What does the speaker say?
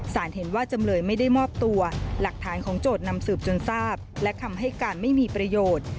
เห็นว่าจำเลยไม่ได้มอบตัวหลักฐานของโจทย์นำสืบจนทราบและคำให้การไม่มีประโยชน์